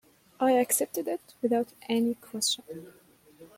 I accepted it without any question.